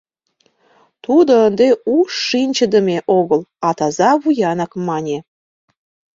— тудо ынде уш шинчыдыме огыл, а таза вуянак мане.